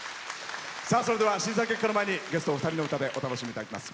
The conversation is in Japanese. それでは、審査結果の前にゲストお二人の歌でお楽しみいただきます。